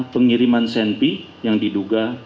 pengiriman smp yang diduga